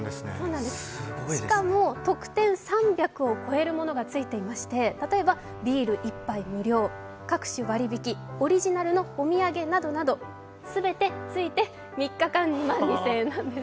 しかも特典３００を超えるものがついていまして例えばビール１杯無料、各種割引、オリジナルのお土産などなど全てついて３日間２万２０００円なんです。